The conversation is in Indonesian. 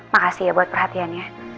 makasih ya buat perhatiannya